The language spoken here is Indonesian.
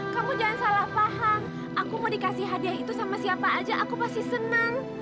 kamu jangan salah paham aku mau dikasih hadiah itu sama siapa aja aku pasti senang